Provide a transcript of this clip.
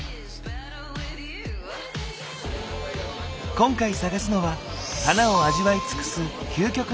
今回探すのは花を味わい尽くす究極のアレンジ。